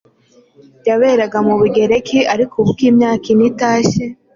yaberaga mu Bugereki. Ariko ubu uko imyaka ine itashye